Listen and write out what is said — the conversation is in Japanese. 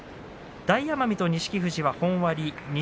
大奄美と錦富士は本割錦